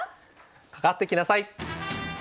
「かかって来なさい！」。